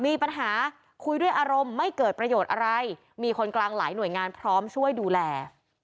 มีปัญหาคุยด้วยอารมณ์ไม่เกิดประโยชน์อะไรมีคนกลางหลายหน่วยงานพร้อมช่วยดูแล